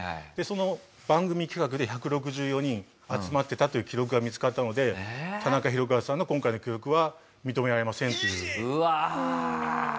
でその番組企画で１６４人集まってたという記録が見つかったので田中宏和さんの今回の記録は認められませんという。